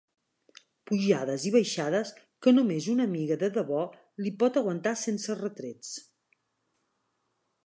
Pujades i baixades que només una amiga de debò li pot aguantar sense retrets.